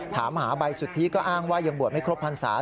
ถามหาใบสุทธิก็อ้างว่ายังบวชไม่ครบพรรษา